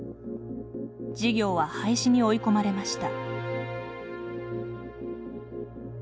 事業は廃止に追い込まれました。